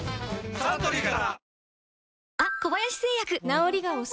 サントリーから！